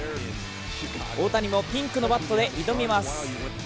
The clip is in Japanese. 大谷もピンクのバットで挑みます。